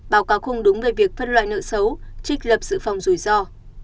báo cáo không đúng về việc phân loại nợ xấu trích lập dự phòng rủi ro